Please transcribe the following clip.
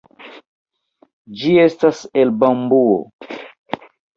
Ĝi estas el bambuo.